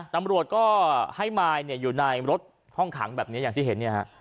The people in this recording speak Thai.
ตำรวจก็ให้มายอยู่ในรถห้องขังแบบนี้อย่างที่เห็นเนี่ยฮะ